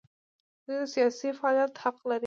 دوی د سیاسي فعالیت حق لري.